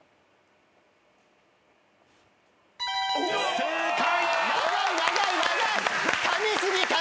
正解！